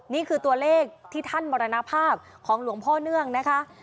นี่คือตัวเลขที่ท่านมรณภาพของหลวงพ่อเนื่องนะคะ